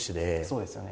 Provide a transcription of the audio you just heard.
そうですよね。